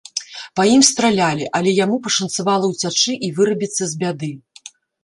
Па ім стралялі, але яму пашанцавала ўцячы і вырабіцца з бяды.